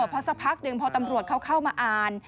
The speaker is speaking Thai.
พอสักพักหนึ่งพอตำรวจเขาเข้ามาอ่าน